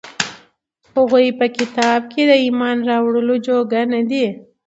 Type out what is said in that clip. هغوى په دې كتاب د ايمان راوړلو جوگه نه دي،